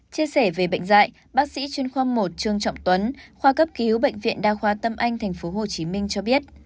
chia sẻ về bệnh dại bác sĩ chuyên khoa một trương trọng tuấn khoa cấp ký hữu bệnh viện đa khoa tâm anh tp hcm cho biết